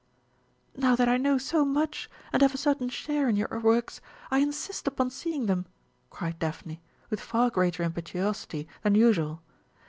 "Now that I know so much, and have a certain share in your works, I insist upon seeing them!" cried Daphne with far greater impetuosity than usual.